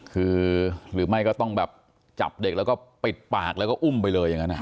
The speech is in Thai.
คือหรือไม่ก็ต้องแบบจับเด็กแล้วก็ปิดปากแล้วก็อุ้มไปเลยอย่างนั้น